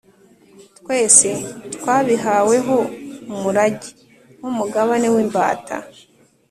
Twese twabihaweho umurage, Nk’umugabane w’imbata.